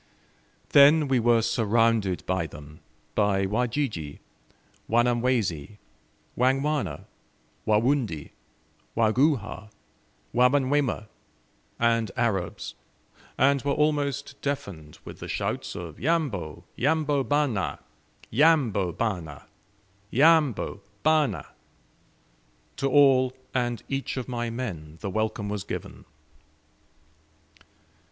Then we were surrounded by them: by Wajiji, Wanyamwezi, Wangwana, Warundi, Waguhha, Wamanyuema, and Arabs, and were almost deafened with the shouts of "Yambo, yambo, bana! Yambo, bana! Yambo, bana!" To all and each of my men the welcome was given.